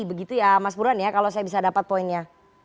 begitu ya mas burhan ya kalau saya bisa dapat poinnya